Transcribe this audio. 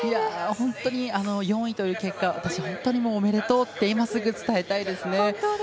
本当に４位という結果私、おめでとうって今すぐ伝えたいです。